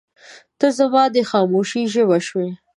• ته زما د خاموشۍ ژبه شوې.